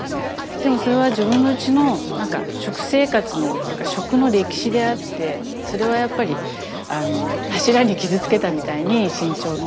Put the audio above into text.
でもそれは自分のうちの食生活のっていうか食の歴史であってそれはやっぱり柱に傷つけたみたいに身長の。